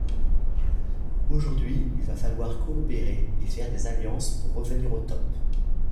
Aujourd'hui, il va falloir coopérer et faire des alliances pour revenir au top.